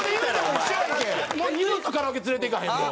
二度とカラオケ連れていかへんもう。